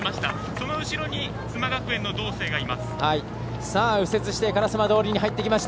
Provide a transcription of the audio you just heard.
その後ろに須磨学園の道清がいます。